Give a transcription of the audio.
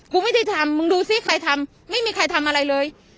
กูไม่ได้ทำมึงดูซิใครทำไม่มีใครทำอะไรเลย